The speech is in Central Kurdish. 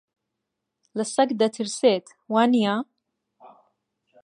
لە سەگ دەترسێت، وانییە؟